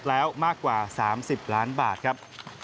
แล้วมากกว่า๓๐ล้านบาทครับ